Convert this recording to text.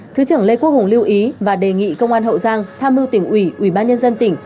thứ trưởng lê quốc hùng lưu ý và đề nghị công an hậu giang tham mưu tỉnh ủy ủy ban nhân dân tỉnh